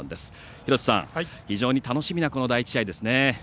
廣瀬さん、非常に楽しみな第１試合ですね。